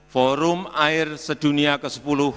forum air sedunia ke sepuluh